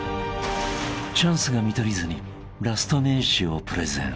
［チャンスが見取り図にラスト名刺をプレゼン］